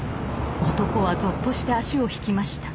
男はぞっとして足を引きました。